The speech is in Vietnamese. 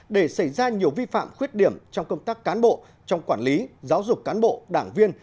để xảy ra nhiều vi phạm khuyết điểm trong công tác cán bộ trong quản lý giáo dục cán bộ đảng viên